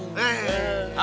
hei enak sewa